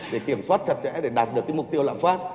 để kiểm soát chặt chẽ để đạt được mục tiêu lạm phát